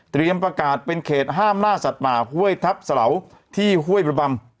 ประกาศเป็นเขตห้ามล่าสัตว์ป่าห้วยทัพสะเหลาที่ห้วยระบำ